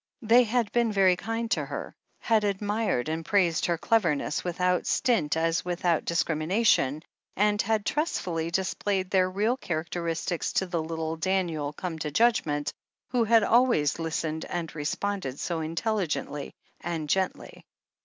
They had been very kind to her, had admired and praised her cleverness, without stint as without dis crimination, and had trustfully displayed their real characteristics to the little Daniel come to judgment, who had always listened and responded so intelligently and gently.